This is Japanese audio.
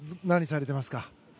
何されてますか？